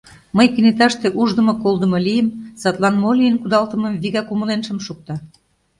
Мый кенеташте уждымо-колдымо лийым, садлан мо лийын кудалтымым вигак умылен шым шукто.